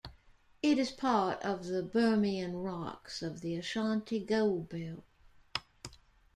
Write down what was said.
It is part of the Birimian rocks, of the Ashanti Gold Belt.